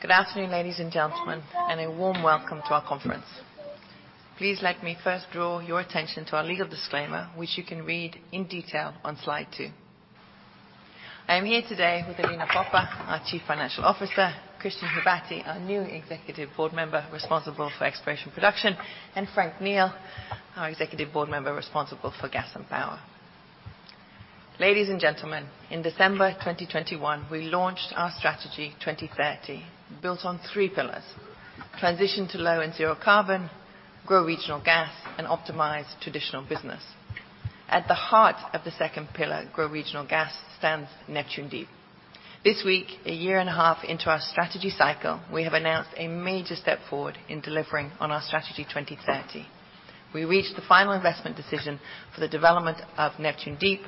Good afternoon, ladies and gentlemen. A warm welcome to our conference. Please let me first draw your attention to our legal disclaimer, which you can read in detail on slide to. I am here today with Alina Popa, our Chief Financial Officer, Cristian Hubati, our new Executive Board Member responsible for Exploration and Production, and Franck Neel, our Executive Board Member responsible for Gas and Power. Ladies and gentlemen, in December 2021, we launched our Strategy 2030, built on th pillars: transition to low and zero carbon, grow regional gas, and optimize traditional business. At the heart of the second pillar, Grow Regional Gas, stands Neptun Deep. This week, a year and a half into our strategy cycle, we have announced a major step forward in delivering on our Strategy 2030. We reached the final investment decision for the development of Neptun Deep.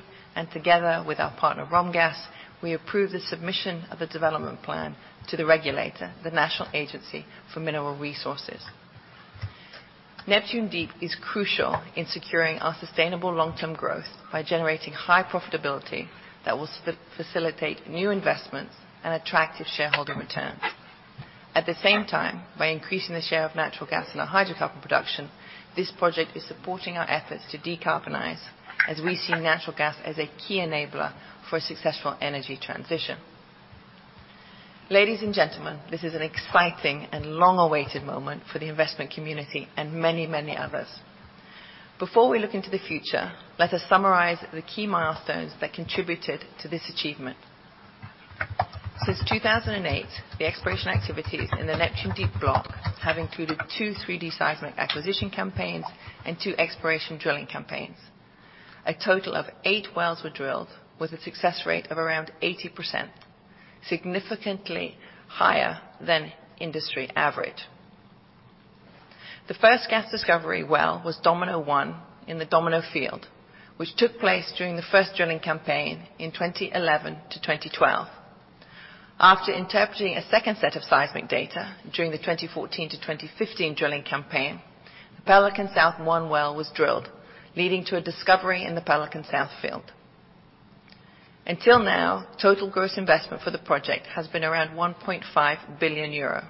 Together with our partner, Romgaz, we approved the submission of a development plan to the regulator, the National Agency for Mineral Resources. Neptun Deep is crucial in securing our sustainable long-term growth by generating high profitability that will facilitate new investments and attractive shareholder returns. At the same time, by increasing the share of natural gas in our hydrocarbon production, this project is supporting our efforts to decarbonize, as we see natural gas as a key enabler for a successful energy transition. Ladies and gentlemen, this is an exciting and long-awaited moment for the investment community and many, many others. Before we look into the future, let us summarize the key milestones that contributed to this achievement. Since 2008, the exploration activities in the Neptun Deep block have included two 3D seismic acquisition campaigns and two exploration drilling campaigns. A total of eight wells were drilled, with a success rate of around 80%, significantly higher than industry average. The first gas discovery well was Domino-1 in the Domino Field, which took place during the first drilling campaign in 2011-2012. After interpreting a second set of seismic data during the 2014-2015 drilling campaign, the Pelican South-1 well was drilled, leading to a discovery in the Pelican South field. Until now, total gross investment for the project has been around 1.5 billion euro.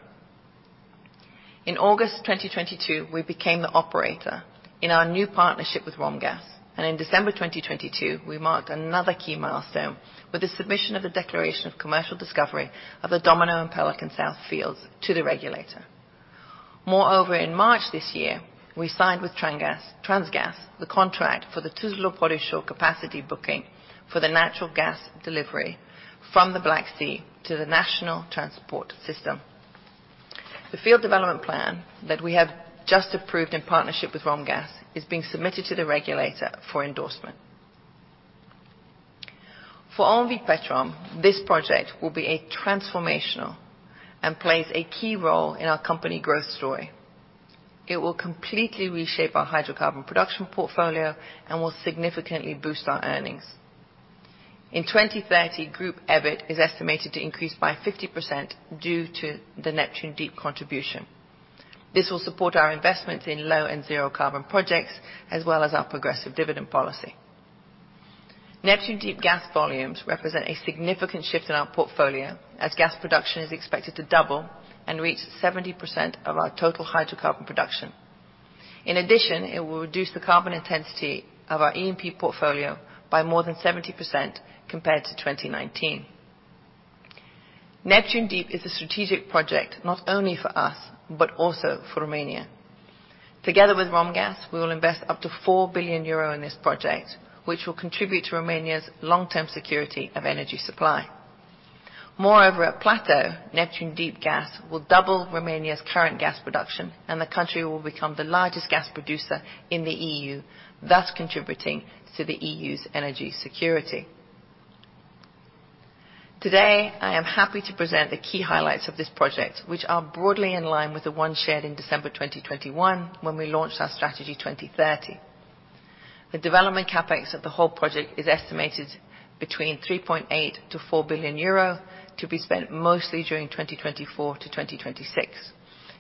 In August 2022, we became the operator in our new partnership with Romgaz. In December 2022, we marked another key milestone with the submission of a declaration of commercial discovery of the Domino and Pelican South fields to the regulator. Moreover, in March this year, we signed with Transgaz, the contract for the Tuzla pipeline shore capacity booking for the natural gas delivery from the Black Sea to the National Transport System. The field development plan that we have just approved in partnership with Romgaz is being submitted to the regulator for endorsement. For OMV Petrom, this project will be a transformational and plays a key role in our company growth story. It will completely reshape our hydrocarbon production portfolio and will significantly boost our earnings. In 2030, group EBIT is estimated to increase by 50% due to the Neptun Deep contribution. This will support our investments in low and zero carbon projects, as well as our progressive dividend policy. Neptun Deep gas volumes represent a significant shift in our portfolio, as gas production is expected to double and reach 70% of our total hydrocarbon production. In addition, it will reduce the carbon intensity of our E&P portfolio by more than 70% compared to 2019. Neptun Deep is a strategic project, not only for us, but also for Romania. Together with Romgaz, we will invest up to 4 billion euro in this project, which will contribute to Romania's long-term security of energy supply. Moreover, at Plateau, Neptun Deep Gas will double Romania's current gas production, and the country will become the largest gas producer in the EU, thus contributing to the EU's energy security. Today, I am happy to present the key highlights of this project, which are broadly in line with the one shared in December 2021, when we launched our Strategy 2030. The development CapEx of the whole project is estimated between 3.8 billion-4 billion euro, to be spent mostly during 2024-2026.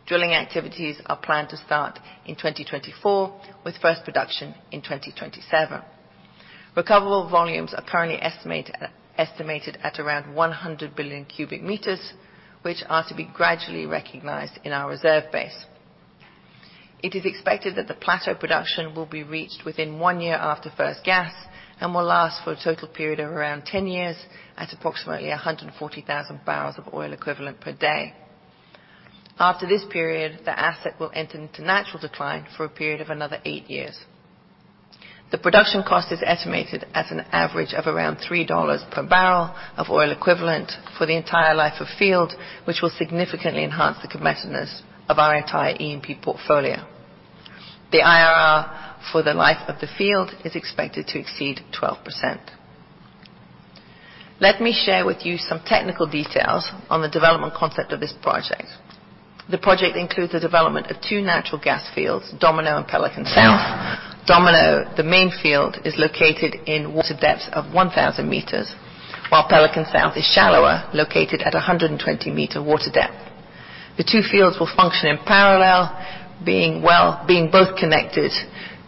Drilling activities are planned to start in 2024, with first production in 2027. Recoverable volumes are currently estimated at around 100 billion cubic meters, which are to be gradually recognized in our reserve base. It is expected that the plateau production will be reached within one year after first gas and will last for a total period of around 10 years at approximately 140,000 barrels of oil equivalent per day. After this period, the asset will enter into natural decline for a period of another eight years. The production cost is estimated at an average of around $3 per barrel of oil equivalent for the entire life of field, which will significantly enhance the competitiveness of our entire E&P portfolio. The IRR for the life of the field is expected to exceed 12%. Let me share with you some technical details on the development concept of this project. The project includes the development of two natural gas fields, Domino and Pelican South. Domino, the main field, is located in water depths of 1,000 meters, while Pelican South is shallower, located at a 120 meter water depth. The two fields will function in parallel, being both connected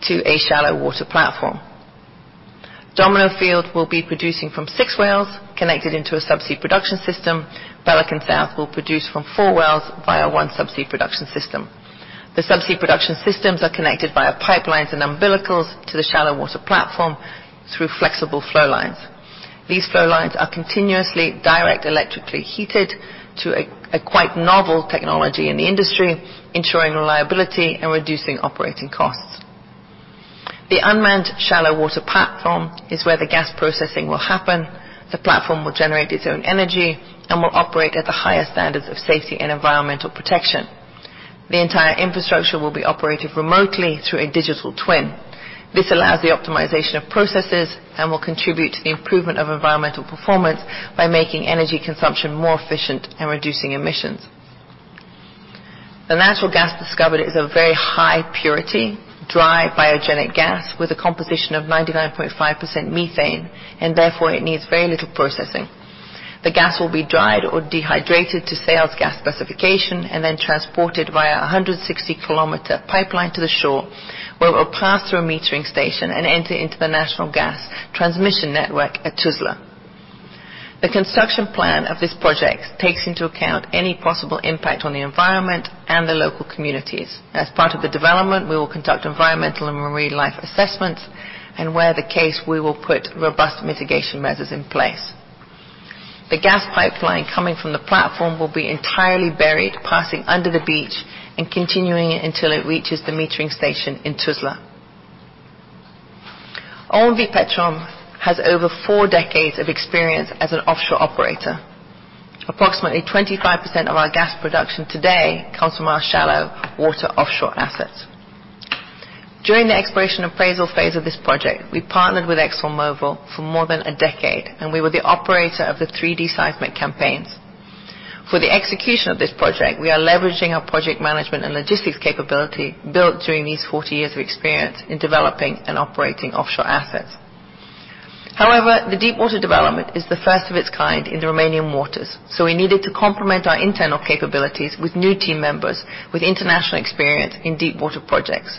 to a shallow water platform. Domino field will be producing from six wells connected into a subsea production system. Pelican South will produce from four wells via one subsea production system. The subsea production systems are connected via pipelines and umbilicals to the shallow water platform through flexible flow lines. These flow lines are continuously Direct Electrical Heating to a quite novel technology in the industry, ensuring reliability and reducing operating costs. The unmanned shallow water platform is where the gas processing will happen. The platform will generate its own energy and will operate at the highest standards of safety and environmental protection. The entire infrastructure will be operated remotely through a digital twin. This allows the optimization of processes and will contribute to the improvement of environmental performance by making energy consumption more efficient and reducing emissions. The natural gas discovered is a very high purity, dry biogenic gas with a composition of 99.5% methane, therefore it needs very little processing. The gas will be dried or dehydrated to sales gas specification and then transported via a 160-kilometer pipeline to the shore, where it will pass through a metering station and enter into the national gas transmission network at Tuzla. The construction plan of this project takes into account any possible impact on the environment and the local communities. As part of the development, we will conduct environmental and marine life assessments, and where the case, we will put robust mitigation measures in place. The gas pipeline coming from the platform will be entirely buried, passing under the beach and continuing until it reaches the metering station in Tuzla. OMV Petrom has over four decades of experience as an offshore operator. Approximately 25% of our gas production today comes from our shallow water offshore assets. During the exploration appraisal phase of this project, we partnered with ExxonMobil for more than a decade. We were the operator of the 3D seismic campaigns. For the execution of this project, we are leveraging our project management and logistics capability built during these 40 years of experience in developing and operating offshore assets. However, the deep water development is the first of its kind in the Romanian waters. We needed to complement our internal capabilities with new team members with international experience in deep water projects.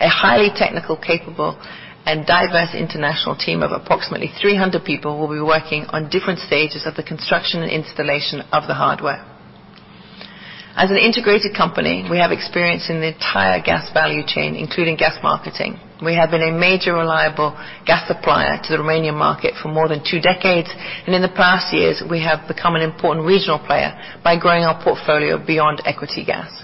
A highly technical, capable, and diverse international team of approximately 300 people will be working on different stages of the construction and installation of the hardware. As an integrated company, we have experience in the entire gas value chain, including gas marketing. We have been a major, reliable gas supplier to the Romanian market for more than two decades, and in the past years, we have become an important regional player by growing our portfolio beyond equity gas.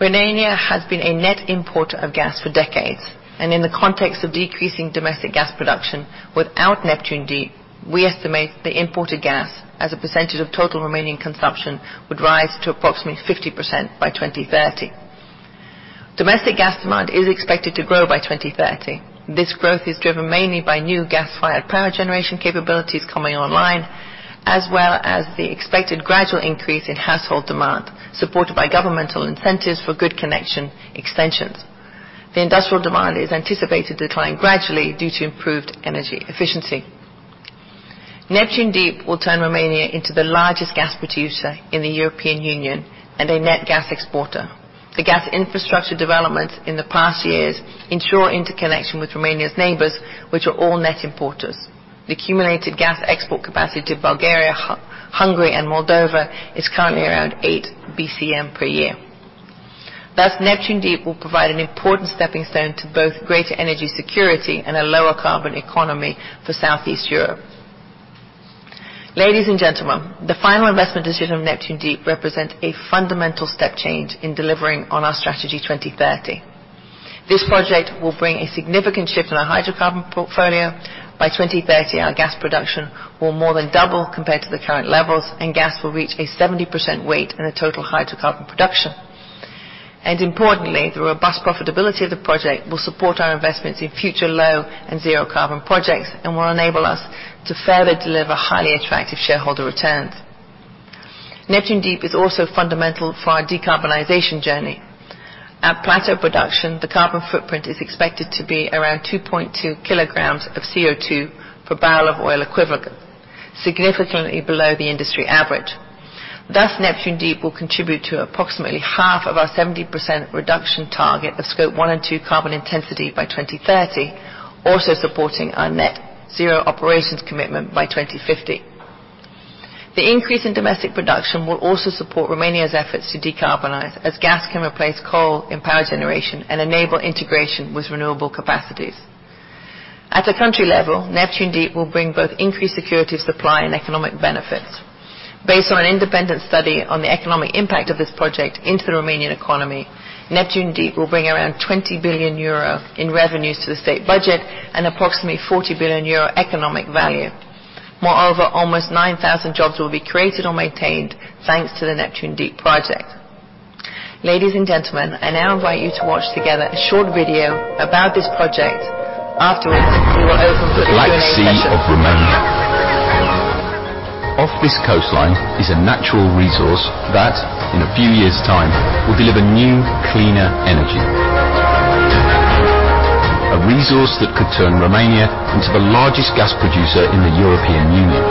Romania has been a net importer of gas for decades, and in the context of decreasing domestic gas production, without Neptun Deep, we estimate the imported gas as a percentage of total Romanian consumption would rise to approximately 50% by 2030. Domestic gas demand is expected to grow by 2030. This growth is driven mainly by new gas-fired power generation capabilities coming online, as well as the expected gradual increase in household demand, supported by governmental incentives for good connection extensions. The industrial demand is anticipated to decline gradually due to improved energy efficiency. Neptun Deep will turn Romania into the largest gas producer in the European Union and a net gas exporter. The gas infrastructure developments in the past years ensure interconnection with Romania's neighbors, which are all net importers. The accumulated gas export capacity to Bulgaria, Hungary, and Moldova is currently around 8 BCM per year. Thus, Neptun Deep will provide an important stepping stone to both greater energy security and a lower carbon economy for Southeast Europe. Ladies and gentlemen, the final investment decision of Neptun Deep represents a fundamental step change in delivering on our Strategy 2030. This project will bring a significant shift in our hydrocarbon portfolio. By 2030, our gas production will more than double compared to the current levels, and gas will reach a 70% weight in the total hydrocarbon production. Importantly, the robust profitability of the project will support our investments in future low and zero carbon projects and will enable us to further deliver highly attractive shareholder returns. Neptun Deep is also fundamental for our decarbonization journey. At plateau production, the carbon footprint is expected to be around 2.2 kg of CO2 per barrel of oil equivalent, significantly below the industry average. Neptune Deep will contribute to approximately half of our 70% reduction target of Scope 1 and 2 carbon intensity by 2030, also supporting our net zero operations commitment by 2050. The increase in domestic production will also support Romania's efforts to decarbonize, as gas can replace coal in power generation and enable integration with renewable capacities. At a country level, Neptune Deep will bring both increased security of supply and economic benefits. Based on an independent study on the economic impact of this project into the Romanian economy, Neptune Deep will bring around 20 billion euro in revenues to the state budget and approximately 40 billion euro economic value. Moreover, almost 9,000 jobs will be created or maintained, thanks to the Neptun Deep project. Ladies and gentlemen, I now invite you to watch together a short video about this project. Afterwards, we will open for the Q&A session. The Black Sea of Romania. Off this coastline is a natural resource that in a few years' time, will deliver new, cleaner energy. A resource that could turn Romania into the largest gas producer in the European Union.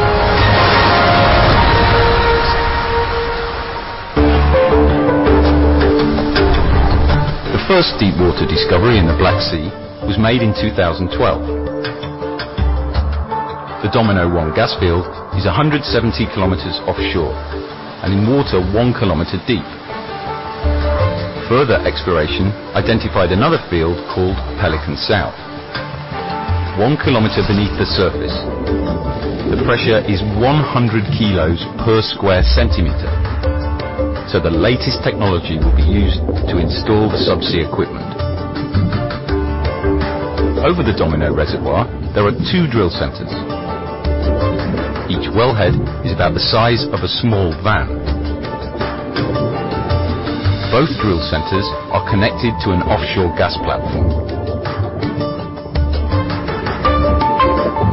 The first deepwater discovery in the Black Sea was made in 2012. The Domino-1 gas field is 170 km offshore and in water 1 km deep. Further exploration identified another field called Pelican South. 1 km beneath the surface, the pressure is 100 kg/cm². The latest technology will be used to install the subsea equipment. Over the Domino reservoir, there are two drill centers. Each wellhead is about the size of a small van. Both drill centers are connected to an offshore gas platform.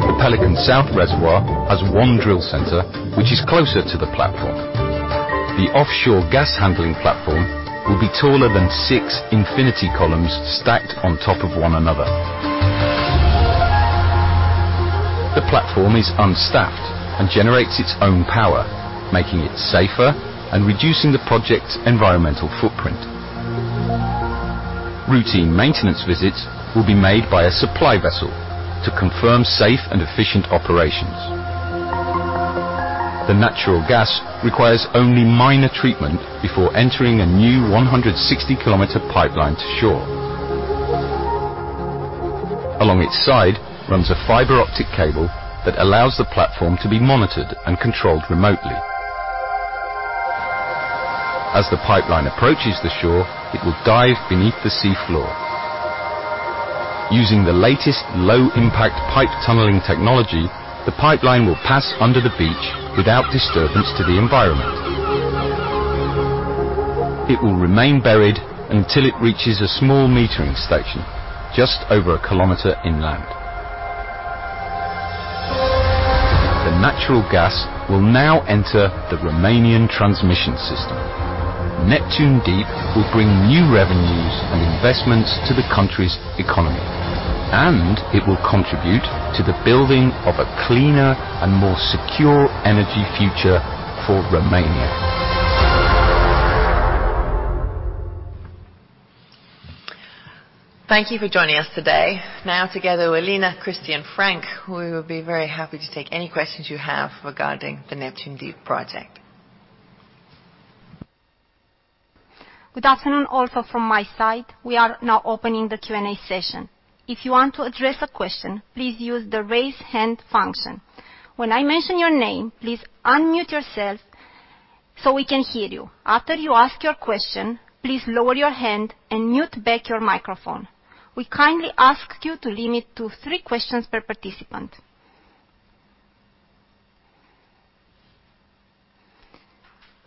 The Pelican South Reservoir has one drill center, which is closer to the platform. The offshore gas handling platform will be taller than six infinity columns stacked on top of one another. The platform is unstaffed and generates its own power, making it safer and reducing the project's environmental footprint. Routine maintenance visits will be made by a supply vessel to confirm safe and efficient operations. The natural gas requires only minor treatment before entering a new 160-kilometer pipeline to shore. Along its side, runs a fiber optic cable that allows the platform to be monitored and controlled remotely. As the pipeline approaches the shore, it will dive beneath the seafloor. Using the latest low-impact pipe tunneling technology, the pipeline will pass under the beach without disturbance to the environment. It will remain buried until it reaches a small metering station, just over a kilometer inland. The natural gas will now enter the Romanian transmission system. Neptun Deep will bring new revenues and investments to the country's economy, and it will contribute to the building of a cleaner and more secure energy future for Romania. Thank you for joining us today. Together with Lina, Christina, and Frank, we will be very happy to take any questions you have regarding the Neptun Deep project. Good afternoon, also from my side. We are now opening the Q&A session. If you want to address a question, please use the raise hand function. When I mention your name, please unmute yourself so we can hear you. After you ask your question, please lower your hand and mute back your microphone. We kindly ask you to limit to three questions per participant.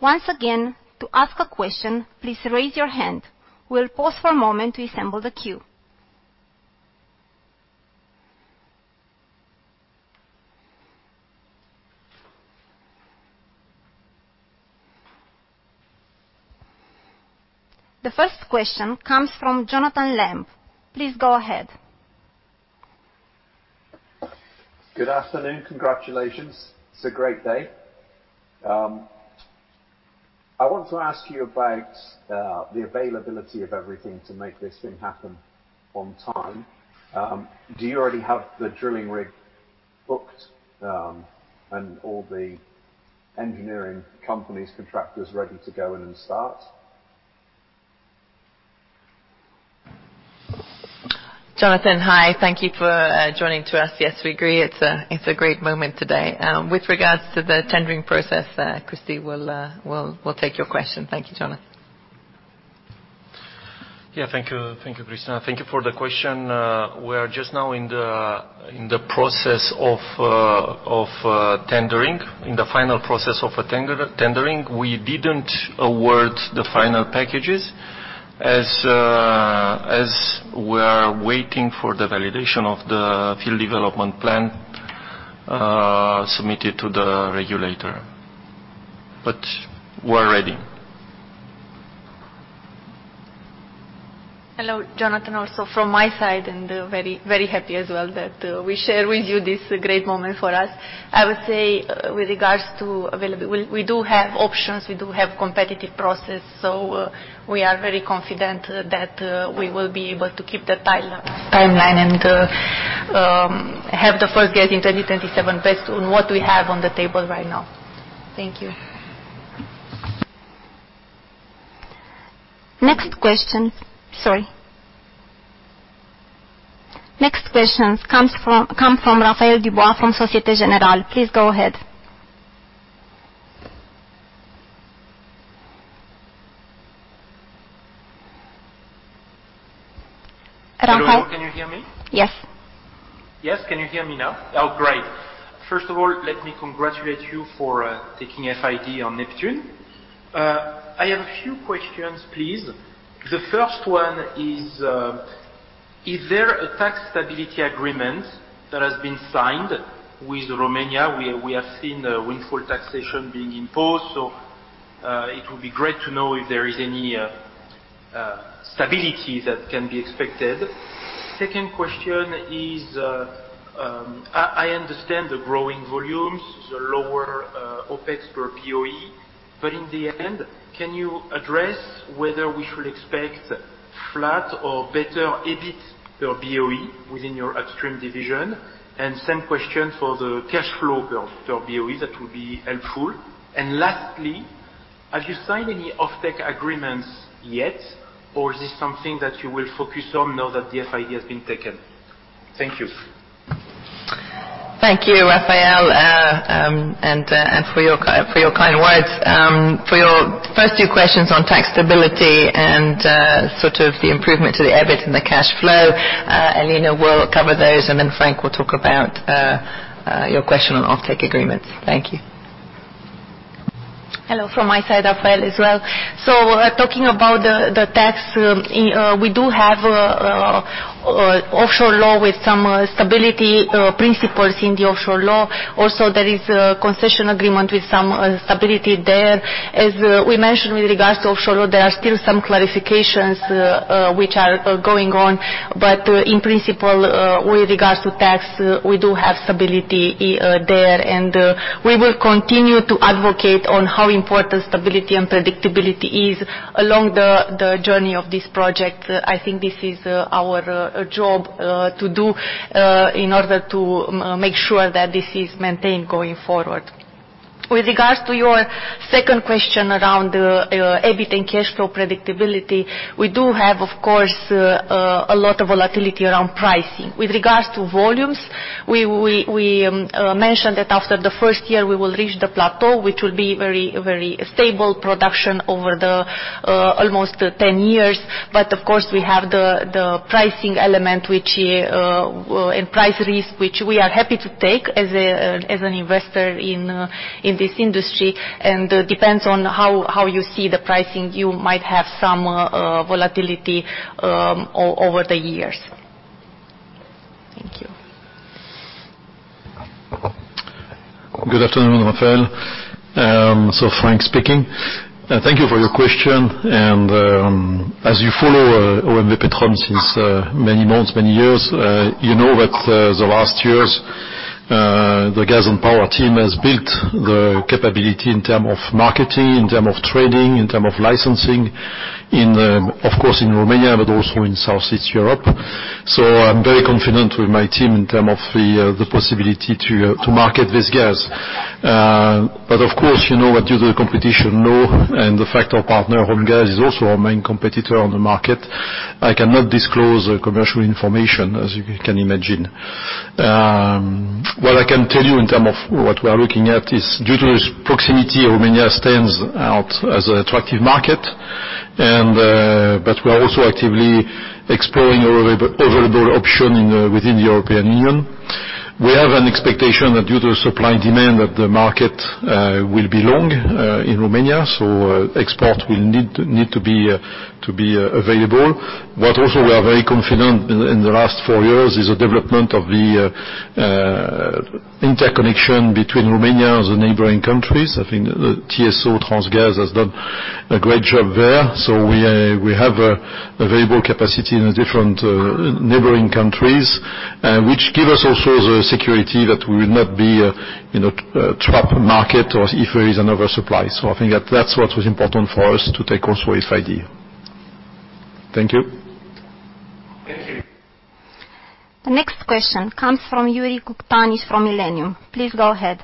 Once again, to ask a question, please raise your hand. We'll pause for a moment to assemble the queue. The first question comes from Jonathan Lamb. Please go ahead. Good afternoon. Congratulations. It's a great day. I want to ask you about the availability of everything to make this thing happen on time. Do you already have the drilling rig booked, and all the engineering companies, contractors, ready to go in and start? Jonathan, hi. Thank you for joining to us. Yes, we agree. It's a great moment today. With regards to the tendering process, Christina will take your question. Thank you, Jonathan. Yeah, thank you. Thank you, Christina. Thank you for the question. We are just now in the process of tendering. In the final process of a tendering. We didn't award the final packages as we are waiting for the validation of the field development plan submitted to the regulator. We're ready. Hello, Jonathan, also from my side, and very happy as well that we share with you this great moment for us. I would say, with regards to We do have options, we do have competitive process. We are very confident that we will be able to keep the timeline and have the first gas in 2027 based on what we have on the table right now. Thank you. Next question. Sorry. Next question comes from Raphaël Dubois from Société Générale. Please go ahead. Raphaël- Hello. Can you hear me? Yes. Yes, can you hear me now? Oh, great. First of all, let me congratulate you for, taking FID on Neptun. I have a few questions, please. The first one is: Is there a tax stability agreement that has been signed with Romania? We have seen a windfall taxation being imposed, so, it would be great to know if there is any stability that can be expected. Second question is, I understand the growing volumes, the lower OpEx per BOE, but in the end, can you address whether we should expect flat or better EBIT per BOE within your upstream division? Same question for the cash flow per BOE, that would be helpful. Lastly, have you signed any offtake agreements yet, or is this something that you will focus on now that the FID has been taken? Thank you. Thank you, Raphael. For your kind words. For your first two questions on tax stability and sort of the improvement to the EBIT and the cash flow, Alina Popa will cover those. Then Franck Neel will talk about your question on offtake agreements. Thank you. Hello from my side, Raphael, as well. Talking about the tax, we do have Offshore Law with some stability principles in the Offshore Law. There is a concession agreement with some stability there. As we mentioned with regards to Offshore Law, there are still some clarifications which are going on. In principle, with regards to tax, we do have stability there, and we will continue to advocate on how important stability and predictability is along the journey of this project. I think this is our job to do in order to make sure that this is maintained going forward. With regards to your second question around EBIT and cash flow predictability, we do have, of course, a lot of volatility around pricing. With regards to volumes, we mentioned that after the first year, we will reach the plateau, which will be very stable production over the almost 10 years. Of course, we have the pricing element, which and price risk, which we are happy to take as an investor in this industry. Depends on how you see the pricing, you might have some volatility over the years. Thank you. Good afternoon, Raphaël. Frank speaking. Thank you for your question. As you follow OMV Petrom since many months, many years, you know that the last years, the gas and power team has built the capability in term of marketing, in term of trading, in term of licensing, in of course, in Romania, but also in Southeast Europe. I'm very confident with my team in term of the possibility to market this gas. Of course, you know that due to the competition, no, and the fact our partner, Romgaz, is also our main competitor on the market, I cannot disclose commercial information, as you can imagine. What I can tell you in term of what we are looking at is, due to its proximity, Romania stands out as an attractive market. We are also actively exploring our available option in within the European Union. We have an expectation that due to supply and demand, that the market will be long in Romania, so export will need to be available. What also we are very confident in the last four years is the development of the interconnection between Romania and the neighboring countries. I think the TSO, Transgaz, has done a great job there. We have available capacity in the different neighboring countries, which give us also the security that we will not be a, you know, a trap market or if there is an oversupply. I think that that's what was important for us to take also this idea. Thank you. Thank you. The next question comes from Iurie Coctan is from Millennium. Please go ahead.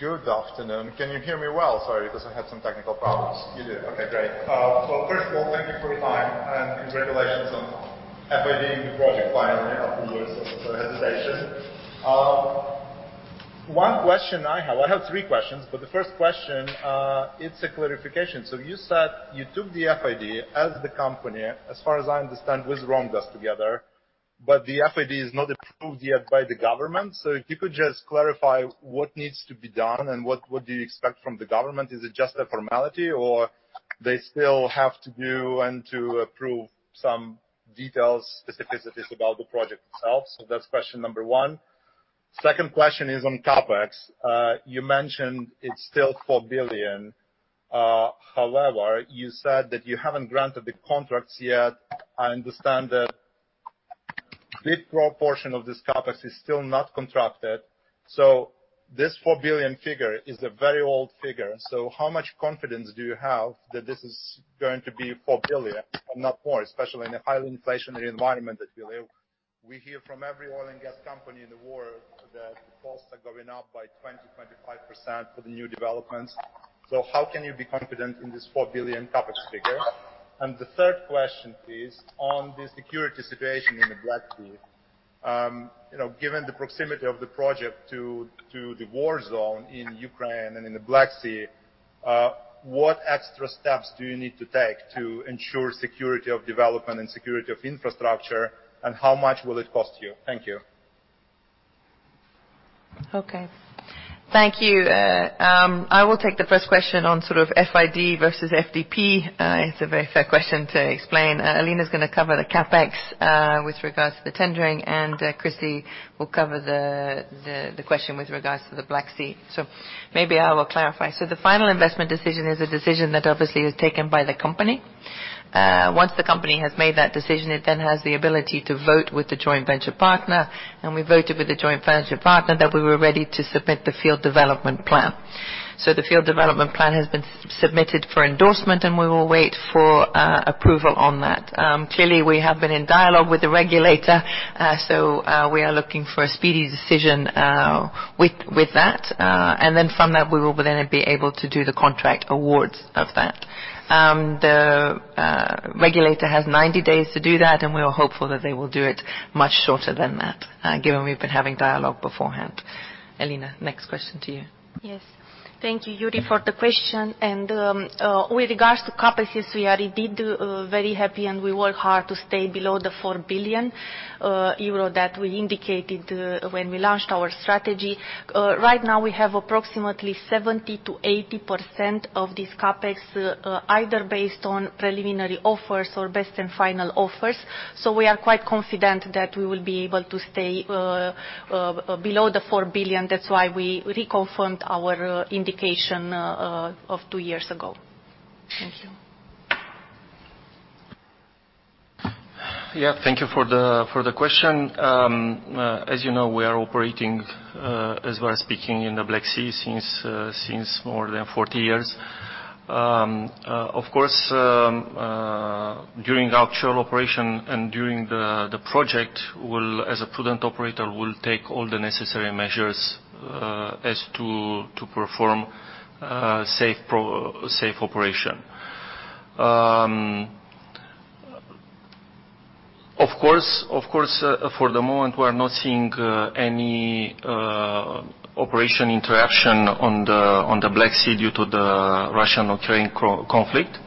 Good afternoon. Can you hear me well? Sorry, because I had some technical problems. You do? Okay, great. First of all, thank you for your time, and congratulations on FID-ing the project finally after years of hesitation. One question I have, I have three questions, but the first question, it's a clarification. You said you took the FID as the company, as far as I understand, with Romgaz together, but the FID is not approved yet by the government. If you could just clarify what needs to be done and what do you expect from the government? Is it just a formality, or they still have to do and to approve some details, specificities about the project itself? That's question number one. Second question is on CapEx. You mentioned it's still 4 billion. However, you said that you haven't granted the contracts yet. I understand that big proportion of this CapEx is still not contracted, so this 4 billion figure is a very old figure. How much confidence do you have that this is going to be 4 billion and not more, especially in the high inflationary environment that we live? We hear from every oil and gas company in the world that the costs are going up by 20%-25% for the new developments. How can you be confident in this 4 billion CapEx figure? The third question is on the security situation in the Black Sea. You know, given the proximity of the project to the war zone in Ukraine and in the Black Sea, what extra steps do you need to take to ensure security of development and security of infrastructure, and how much will it cost you? Thank you. Okay. Thank you. I will take the first question on sort of FID versus FDP. It's a very fair question to explain. Alina Popa is going to cover the CapEx with regards to the tendering, and Cristian Hubati will cover the question with regards to the Black Sea. So maybe I will clarify. So the final investment decision is a decision that obviously is taken by the company. Once the company has made that decision, it then has the ability to vote with the joint venture partner, and we voted with the joint venture partner that we were ready to submit the field development plan. So the field development plan has been submitted for endorsement, and we will wait for approval on that. Clearly, we have been in dialogue with the regulator, we are looking for a speedy decision with that. From that, we will then be able to do the contract awards of that. The regulator has 90 days to do that, and we are hopeful that they will do it much shorter than that, given we've been having dialogue beforehand. Alina, next question to you. Yes. Thank you, Yuri, for the question. With regards to CapEx, yes, we are indeed very happy, and we work hard to stay below the 4 billion euro that we indicated when we launched our strategy. Right now, we have approximately 70%-80% of this CapEx either based on preliminary offers or best and final offers. We are quite confident that we will be able to stay below the 4 billion. That's why we reconfirmed our indication of two years ago. Thank you. Yeah, thank you for the question. As you know, we are operating as we are speaking in the Black Sea since more than 40 years. Of course, during offshore operation and during the project, we'll as a prudent operator, will take all the necessary measures as to perform safe operation. Of course, of course, for the moment, we're not seeing any operation interruption on the Black Sea due to the Russian-Ukrainian conflict.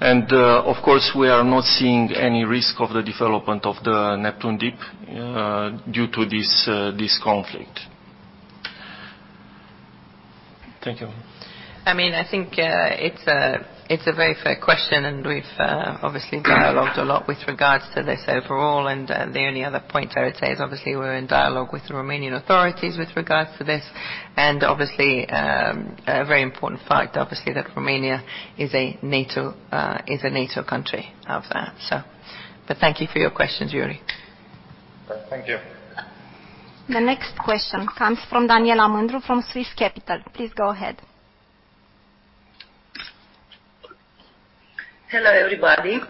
Of course, we are not seeing any risk of the development of the Neptun Deep due to this conflict. Thank you. I mean, I think, it's a very fair question, and we've obviously dialogued a lot with regards to this overall. The only other point I would say is, obviously, we're in dialogue with the Romanian authorities with regards to this. Obviously, a very important fact, obviously, that Romania is a NATO country of that, so. Thank you for your question, Yuri. Thank you. The next question comes from Daniela Mândru from Swiss Capital. Please go ahead. Hello, everybody.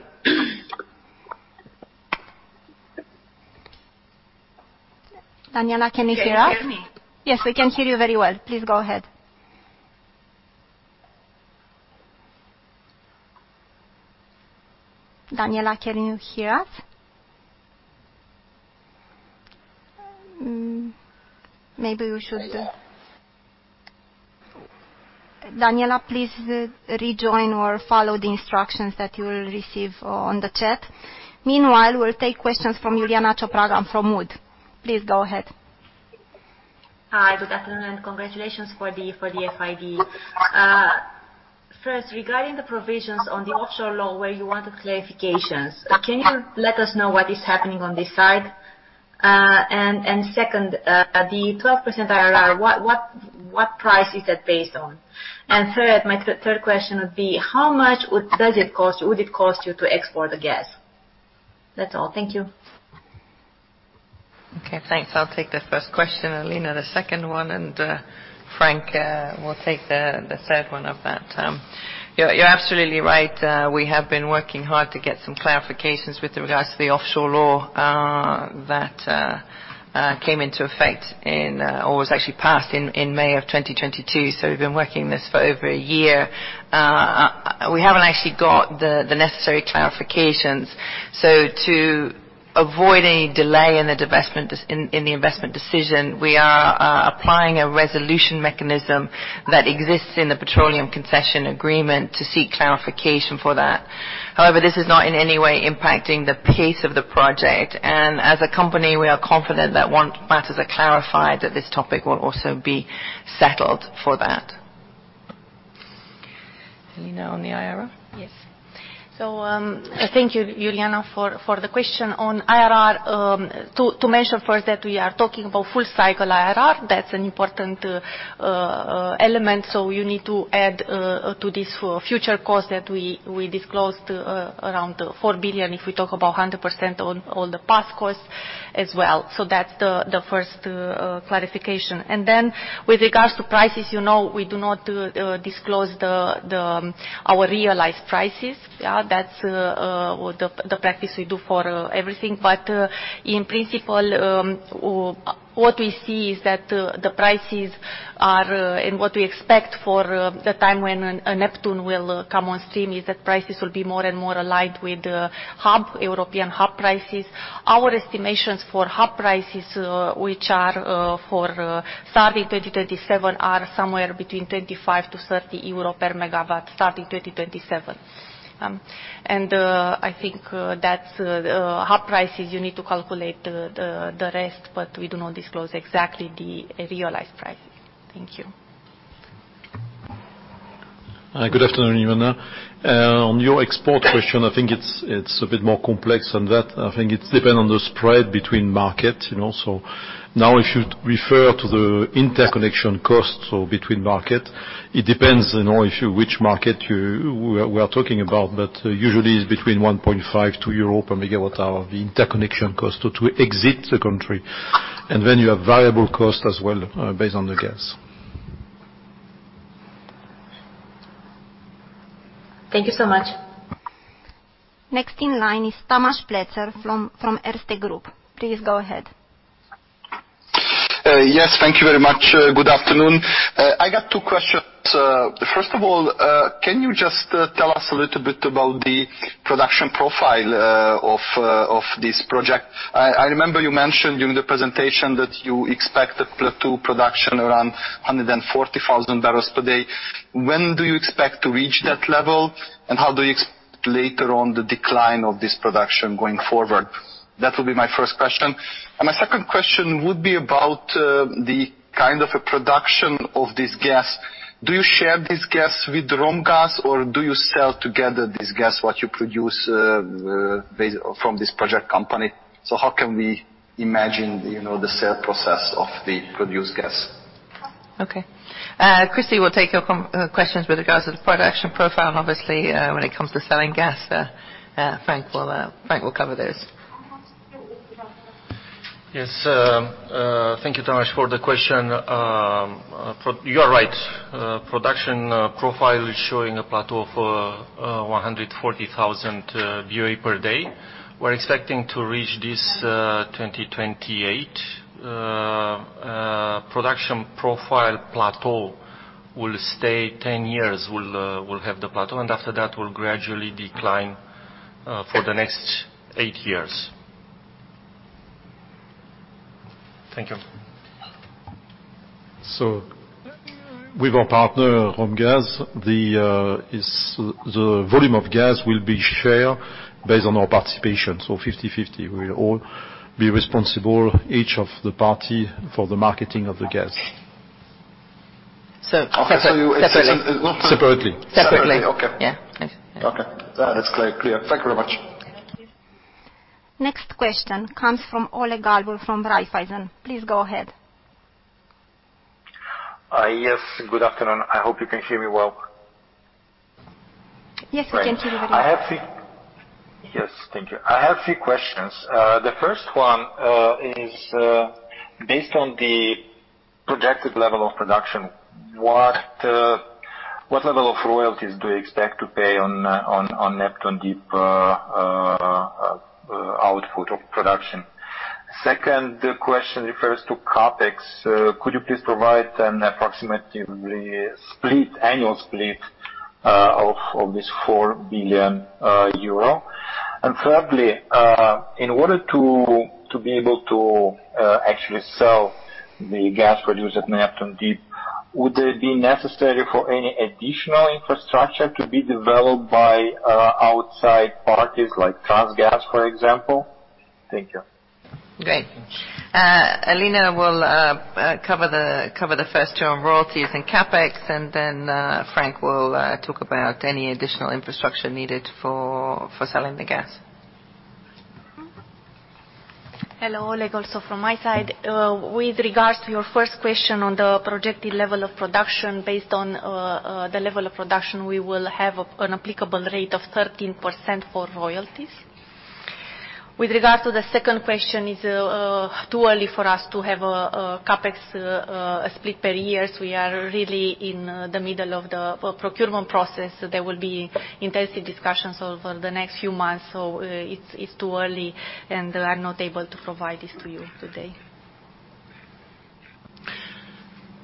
Daniela, can you hear us? Can you hear me? Yes, we can hear you very well. Please go ahead. Daniela, can you hear us? Hello. Daniela, please rejoin or follow the instructions that you will receive on the chat. Meanwhile, we'll take questions from Iuliana Ciopraga from Wood & Co. Please go ahead. Hi, good afternoon. Congratulations for the FID. First, regarding the provisions on the Offshore Law where you wanted clarifications, can you let us know what is happening on this side? Second, the 12% IRR, what price is that based on? Third, my third question would be: How much does it cost you to export the gas? That's all. Thank you. Okay, thanks. I'll take the first question, Elina, the second one, and Frank will take the third one of that. You're absolutely right. We have been working hard to get some clarifications with regards to the Offshore Law that came into effect in or was actually passed in May of 2022. We've been working this for over a year. We haven't actually got the necessary clarifications. To avoid any delay in the divestment, in the investment decision, we are applying a resolution mechanism that exists in the petroleum concession agreement to seek clarification for that. However, this is not in any way impacting the pace of the project, and as a company, we are confident that once matters are clarified, that this topic will also be settled for that. Alina, on the IRR? Yes. Thank you, Iuliana, for the question on IRR. To mention first that we are talking about full cycle IRR. That's an important element, so you need to add to this future cost that we disclosed around 4 billion, if we talk about 100% on all the past costs as well. That's the first clarification. With regards to prices, you know, we do not disclose our realized prices. Yeah, that's the practice we do for everything. In principle, what we see is that the prices are and what we expect for the time when Neptun will come on stream, is that prices will be more and more aligned with hub, European hub prices. Our estimations for hub prices, which are for starting 2027, are somewhere between 25-30 euro per MW, starting 2027. I think that's hub prices. You need to calculate the rest, but we do not disclose exactly the realized price. Thank you. Hi, good afternoon, everyone. On your export question, I think it's a bit more complex than that. I think it depends on the spread between market, you know. Now if you refer to the interconnection costs or between market, it depends, you know, which market we are talking about. Usually it's between 1.5 EUR per megawatt hour, the interconnection cost to exit the country. Then you have variable costs as well, based on the gas. Thank you so much. Next in line is Tamas Pletser from Erste Group. Please go ahead. Yes, thank you very much. Good afternoon. I got 2 questions. First of all, can you just tell us a little bit about the production profile of this project? I remember you mentioned during the presentation that you expect the plateau production around 140,000 barrels per day. When do you expect to reach that level? How do you expect later on the decline of this production going forward? That will be my first question. My second question would be about the kind of a production of this gas. Do you share this gas with Romgaz, or do you sell together this gas, what you produce from this project company? How can we imagine, you know, the sale process of the produced gas? Okay. Cristian will take your questions with regards to the production profile, and obviously, when it comes to selling gas, Frank will cover this. Yes, thank you, Tamas, for the question. You are right. Production profile is showing a plateau for 140,000 BOE per day. We're expecting to reach this 2028. Production profile plateau will stay 10 years, we'll have the plateau, and after that, will gradually decline for the next 8 years. Thank you. With our partner, Romgaz, the volume of gas will be shared based on our participation, so 50/50. We will all be responsible, each of the party, for the marketing of the gas. So- Okay. Separately. Separately. Separately, okay. Yeah. Okay. That's clear. Thank you very much. Thank you. Next question comes from Oleg Galbur from Raiffeisen Centrobank. Please go ahead. Yes, good afternoon. I hope you can hear me well. Yes, we can hear you very well. Yes, thank you. I have three questions. The first one is based on the projected level of production, what level of royalties do you expect to pay on Neptun Deep output of production? Second question refers to CapEx. Could you please provide an approximately split, annual split of this 4 billion euro? Thirdly, in order to be able to actually sell the gas produced at Neptun Deep, would it be necessary for any additional infrastructure to be developed by outside parties like Transgaz, for example? Thank you. Great. Alina will cover the first two on royalties and CapEx, and then Frank will talk about any additional infrastructure needed for selling the gas. Hello, Oleg. Also from my side, with regards to your first question on the projected level of production, based on the level of production, we will have an applicable rate of 13% for royalties. With regards to the second question, it's too early for us to have a CapEx split per years. We are really in the middle of the procurement process. There will be intensive discussions over the next few months. It's too early, and I'm not able to provide this to you today.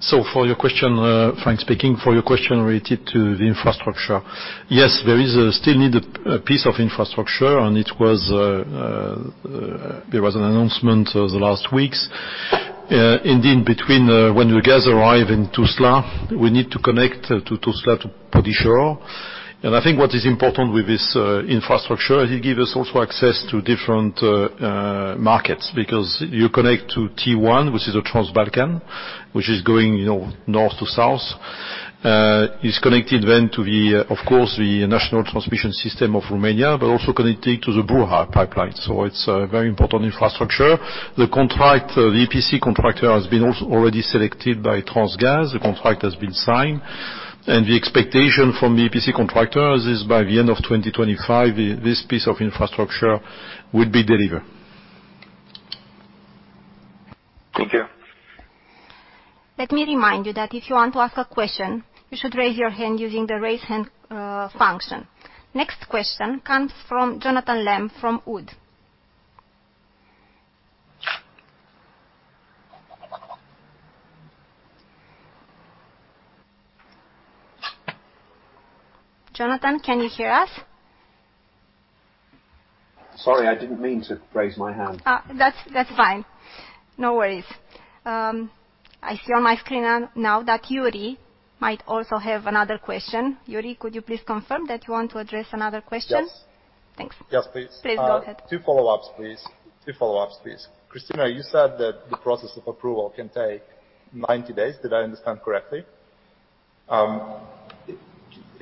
For your question, Frank speaking, for your question related to the infrastructure, yes, there is still need a piece of infrastructure, and there was an announcement over the last weeks. Indeed, when the gas arrive in Tuzla, we need to connect to Tuzla, to Podișor. I think what is important with this infrastructure, it give us also access to different markets, because you connect to TI, which is a Trans Balkan, which is going, you know, north to south. It's connected then to the, of course, the National Transmission System of Romania, but also connecting to the Buhaci pipeline, so it's a very important infrastructure. The contractor, the EPC contractor, has been also already selected by Transgaz. The contract has been signed, and the expectation from the EPC contractors is by the end of 2025, this piece of infrastructure will be delivered. Thank you. Let me remind you that if you want to ask a question, you should raise your hand using the raise hand function. Next question comes from Jonathan Lamb from Wood. Jonathan, can you hear us? Sorry, I didn't mean to raise my hand. That's fine. No worries. I see on my screen now that Yuri might also have another question. Yuri, could you please confirm that you want to address another question? Thanks. Yes, please. Please go ahead. Two follow-ups, please. Christina, you said that the process of approval can take 90 days. Did I understand correctly?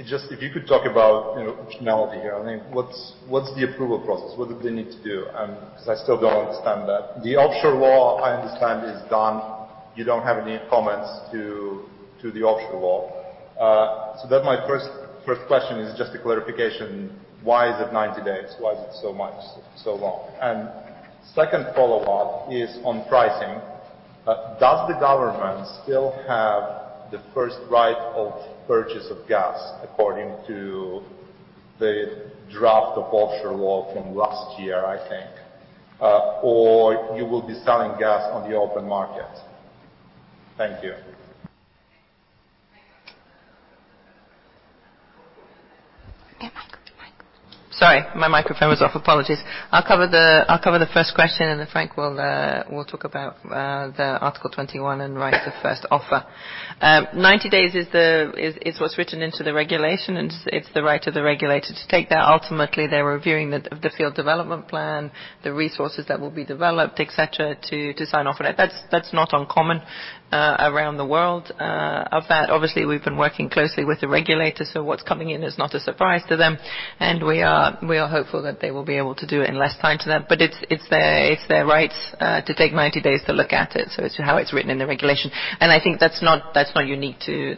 Just if you could talk about, you know, functionality here, I mean, what's the approval process? What do they need to do? Because I still don't understand that. The Offshore Law, I understand, is done. You don't have any comments to the Offshore Law. That's my first question is just a clarification. Why is it 90 days? Why is it so much, so long? Second follow-up is on pricing. Does the government still have the first right of purchase of gas according to the draft of Offshore Law from last year, I think? Or you will be selling gas on the open market. Thank you. Your microphone. Sorry, my microphone was off. Apologies. I'll cover the first question, and then Frank will talk about the Article 21 and right of first offer. 90 days is what's written into the regulation, and it's the right of the regulator to take that. Ultimately, they're reviewing the field development plan, the resources that will be developed, et cetera, to sign off on it. That's not uncommon around the world. Of that, obviously, we've been working closely with the regulator, so what's coming in is not a surprise to them, and we are hopeful that they will be able to do it in less time to them. It's their right to take 90 days to look at it, so it's how it's written in the regulation. I think that's not unique to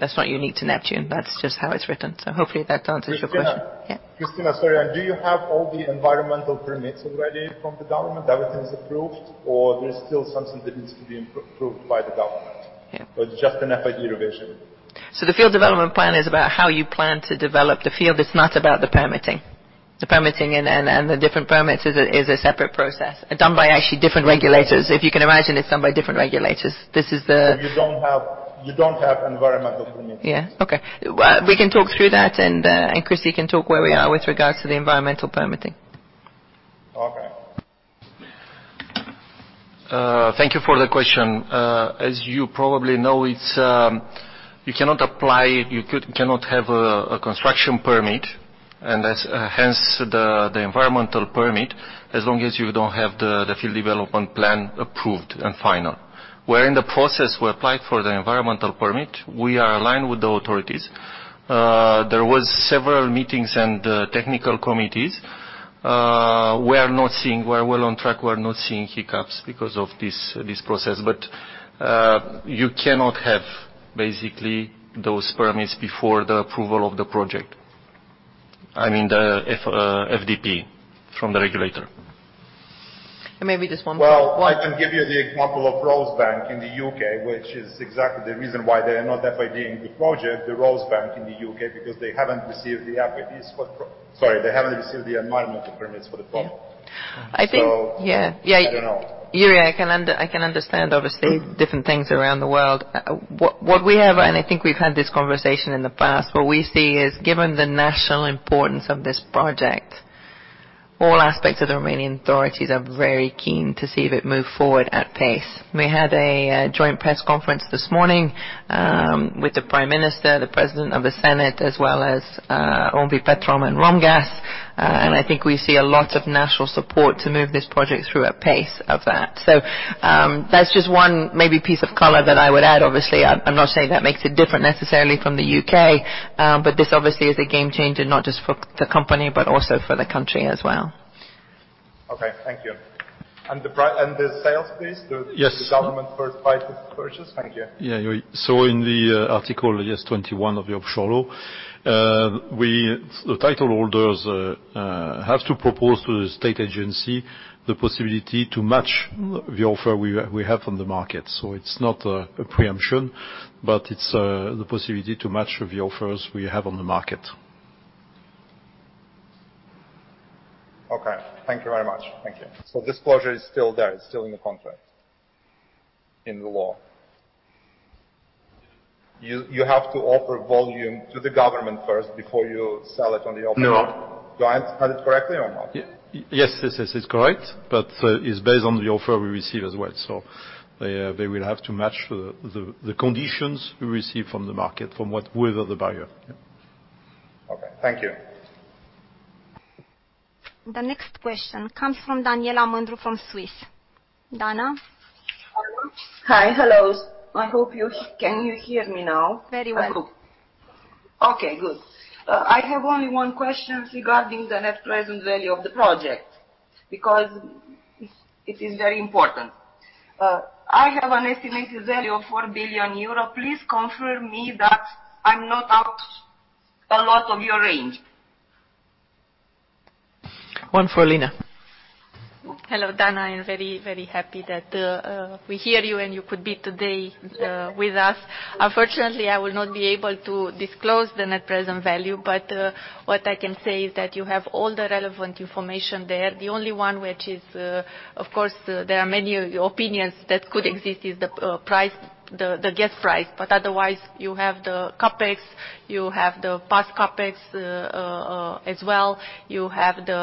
Neptun. That's just how it's written. Hopefully that answers your question. Christina? Yeah. Christina, sorry. Do you have all the environmental permits already from the government? Everything is approved, or there's still something that needs to be approved by the government? Yeah. Just an FID revision. The field development plan is about how you plan to develop the field. It's not about the permitting. The permitting and the different permits is a separate process, done by actually different regulators. If you can imagine, it's done by different regulators. You don't have, you don't have environmental permits? Yeah. Okay. Well, we can talk through that, and Chrissy can talk where we are with regards to the environmental permitting. Okay. Thank you for the question. As you probably know, it's... You cannot apply, you cannot have a construction permit, and that's hence the environmental permit, as long as you don't have the field development plan approved and final. We're in the process, we applied for the environmental permit. We are aligned with the authorities. There was several meetings and technical committees. We are not seeing... We are well on track. We are not seeing hiccups because of this process. You cannot have basically those permits before the approval of the project. I mean, the FDP from the regulator. Maybe just one more. Well, I can give you the example of Rosebank in the U.K., which is exactly the reason why they are not FID in the project, the Rosebank in the U.K., because they haven't received the environmental permits for the project. Yeah. So- Yeah. Yeah. I don't know. Yuri, I can understand, obviously, different things around the world. What we have, and I think we've had this conversation in the past, what we see is, given the national importance of this project, all aspects of the Romanian authorities are very keen to see that move forward at pace. We had a joint press conference this morning with the Prime Minister, the President of the Senate, as well as OMV Petrom and Romgaz, and I think we see a lot of national support to move this project through at pace of that. That's just one maybe piece of color that I would add. Obviously, I'm not saying that makes it different necessarily from the U.K., but this obviously is a game changer, not just for the company, but also for the country as well. Okay, thank you. The sales, please? Yes. The government first right of purchase. Thank you. Yuri. In the article, yes, 21 of the Offshore Law, The titleholders have to propose to the state agency the possibility to match the offer we have on the market. It's not a preemption, but it's the possibility to match the offers we have on the market. Okay. Thank you very much. Thank you. This closure is still there, it's still in the contract, in the law? You have to offer volume to the government first before you sell it on the open market? No. Do I understand it correctly or not? Yes, this is correct, but, it's based on the offer we receive as well. They will have to match the conditions we receive from the market, from whoever the buyer. Yeah. Okay. Thank you. The next question comes from Daniela Mândru from Swiss. Dana? Hi. Hello. Can you hear me now? Very well. Okay, good. I have only one question regarding the net present value of the project, because it is very important. I have an estimated value of 4 billion euro. Please confirm me that I'm not out a lot of your range. One for Alina. Hello, Dana. I am very happy that we hear you and you could be today with us. Unfortunately, I will not be able to disclose the net present value. What I can say is that you have all the relevant information there. The only one which is, of course, there are many opinions that could exist, is the price, the gas price. Otherwise, you have the CapEx, you have the past CapEx as well. You have the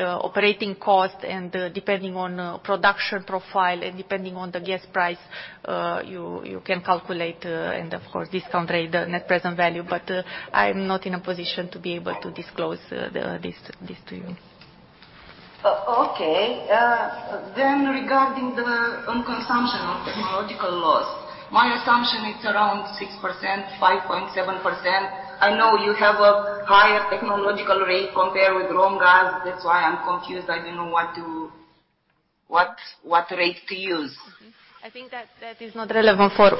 operating cost, and depending on production profile and depending on the gas price, you can calculate and of course, discount rate, the net present value. I'm not in a position to be able to disclose this to you. Okay, regarding the on consumption of technological loss, my assumption is around 6%, 5.7%. I know you have a higher technological rate compared with Romgaz, that's why I'm confused. I didn't know what rate to use. I think that is not relevant for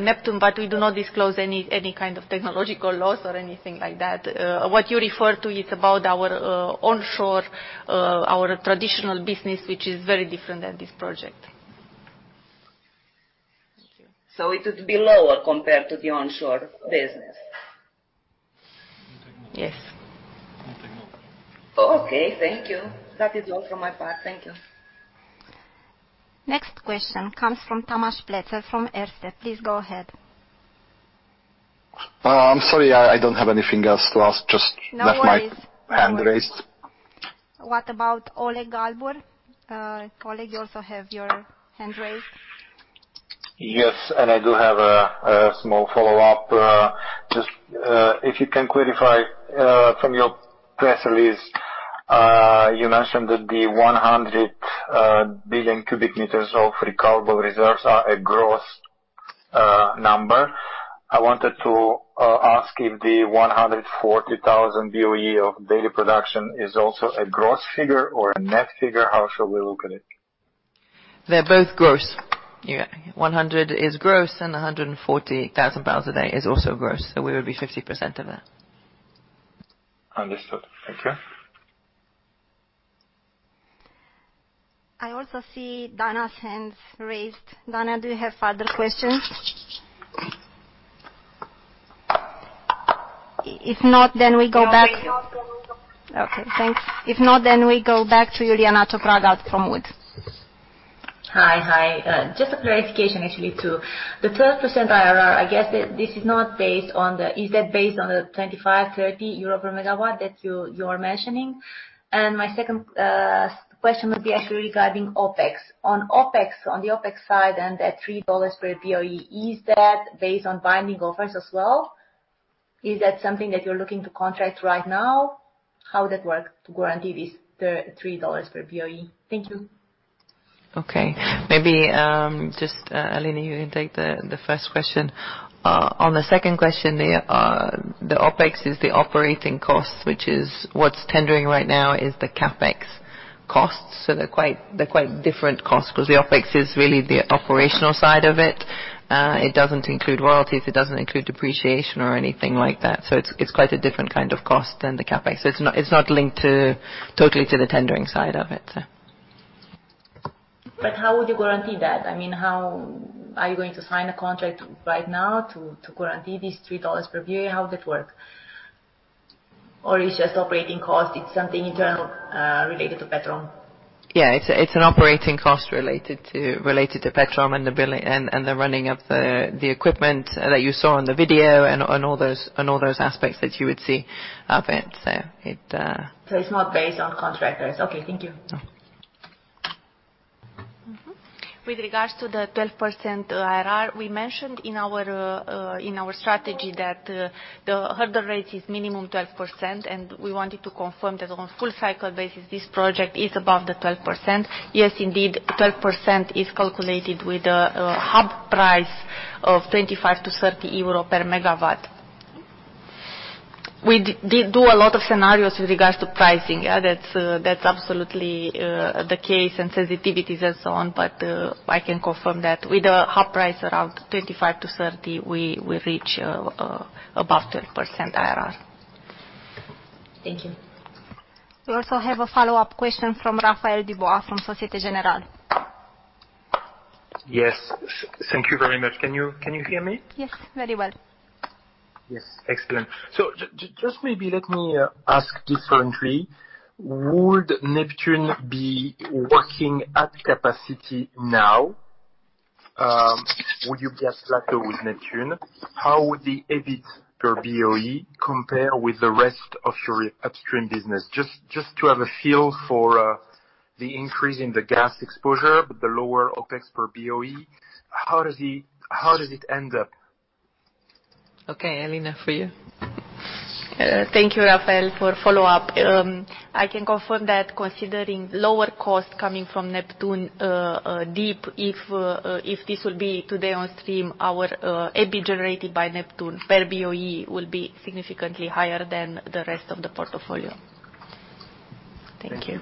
Neptun Deep. We do not disclose any kind of technological loss or anything like that. What you refer to is about our onshore, our traditional business, which is very different than this project. Thank you. It is below compared to the onshore business? You can take more. Yes. You can take more. Okay, thank you. That is all from my part. Thank you. Next question comes from Tamas Pletser, from Erste. Please go ahead. I'm sorry, I don't have anything else to ask. No worries. left my hand raised. What about Oleg Galbur? colleague, you also have your hand raised. Yes, I do have a small follow-up. Just, if you can clarify, from your press release, you mentioned that the 100 BCM of recoverable reserves are a gross number. I wanted to ask if the 140,000 BOE of daily production is also a gross figure or a net figure? How should we look at it? They're both gross. Yeah, 100 is gross, and 140,000 barrels a day is also gross, so we would be 50% of that. Understood. Thank you. I also see Donna's hand raised. Donna, do you have further questions? If not, we go back. No, I also Okay, thanks. If not, then we go back to Iuliana Ciopraga from Wood. Hi, hi. Just a clarification, actually, to the 12% IRR, I guess this is not based on the. Is that based on the 25-30 euro per megawatt that you are mentioning? My second question would be actually regarding OpEx. On the OpEx side, and at $3 per Boe, is that based on binding offers as well? Is that something that you're looking to contract right now? How would that work to guarantee this $3 per Boe? Thank you. Okay. Maybe, just Alina, you take the first question. On the second question, the OpEx is the operating cost, which is what's tendering right now, is the CapEx costs. They're quite different costs, because the OpEx is really the operational side of it. It doesn't include royalties, it doesn't include depreciation or anything like that. It's quite a different kind of cost than the CapEx. It's not linked to... totally to the tendering side of it. How would you guarantee that? I mean, how are you going to sign a contract right now to guarantee this $3 per BOE? How would that work? Or it's just operating costs, it's something internal related to Petrom? Yeah, it's an operating cost related to Petrom and the running of the equipment that you saw in the video and all those aspects that you would see of it. It. It's not based on contractors. Okay, thank you. No. Mm-hmm. With regards to the 12% IRR, we mentioned in our in our strategy that the hurdle rate is minimum 12%, and we wanted to confirm that on full cycle basis, this project is above the 12%. Yes, indeed, 12% is calculated with a hub price of 25-30 euro per megawatt. We do a lot of scenarios with regards to pricing. Yeah, that's absolutely the case, and sensitivities and so on, but I can confirm that with a hub price around 25-30, we reach above 12% IRR. Thank you. We also have a follow-up question from Raphaël Dubois, from Société Générale. Yes. Thank you very much. Can you hear me? Yes, very well. Yes. Excellent. Just maybe let me ask differently: Would Neptune be working at capacity now? Would you be at plateau with Neptune? How would the EBIT per BOE compare with the rest of your upstream business? Just to have a feel for the increase in the gas exposure, but the lower OpEx per BOE. How does it end up? Okay, Alina, for you. Thank you, Raphael, for follow-up. I can confirm that considering lower cost coming from Neptun Deep, if this will be today on stream, our EBIT generated by Neptun Deep per BOE will be significantly higher than the rest of the portfolio. Thank you. Thank you.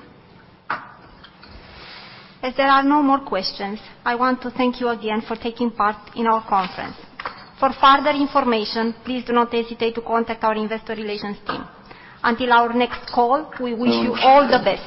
As there are no more questions, I want to thank you again for taking part in our conference. For further information, please do not hesitate to contact our investor relations team. Until our next call, we wish you all the best.